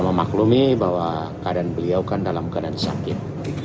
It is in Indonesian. memaklumi bahwa keadaan beliau kan dalam keadaan sakit